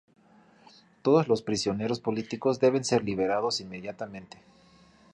Todos los prisioneros políticos deben ser liberados inmediatamente".